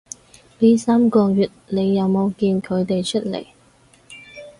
呢三個月你有冇見佢哋出來